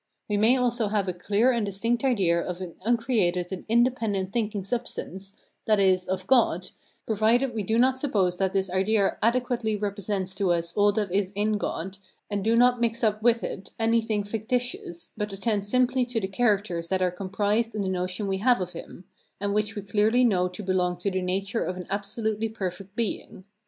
We may also have a clear and distinct idea of an uncreated and independent thinking substance, that is, of God, provided we do not suppose that this idea adequately represents to us all that is in God, and do not mix up with it anything fictitious, but attend simply to the characters that are comprised in the notion we have of him, and which we clearly know to belong to the nature of an absolutely perfect Being.